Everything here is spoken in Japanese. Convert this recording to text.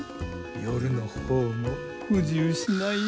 夜の方も不自由しないよ。